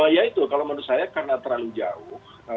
ya itu kalau menurut saya karena terlalu jauh